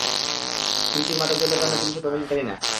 ত্রিচির মাদক জব্দের কারণ পুলিশ বা মিলিটারি না।